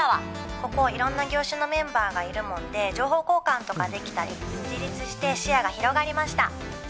ここ、いろんな業種のメンバーがいるもんで情報交換とかできたり自立して、シェアが広がりました。